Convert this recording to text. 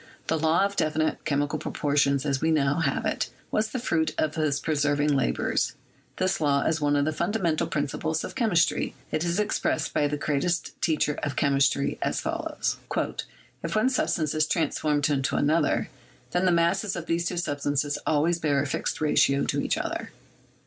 The law of definite chemi cal proportions, as we now have it, was the fruit of his persevering labors. This law is one of the fundamental principles of chemistry. It is expressed by the greatest teacher cf chemistry as follows: "If one substance is transformed into another, then the masses of these two substances always bear a fixed ratio to each other.